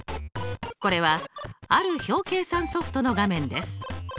これはある表計算ソフトの画面です。